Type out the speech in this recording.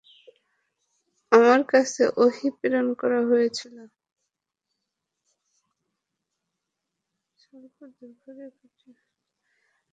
আমার কাছে ওহী প্রেরণ করা হয়েছিল।